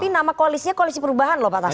tapi nama koalisnya koalisi perubahan loh pak taslim